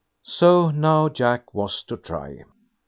So now Jack was to try.